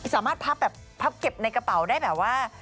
สามารถพับแบบพับเก็บในกระเป๋าได้แบบว่า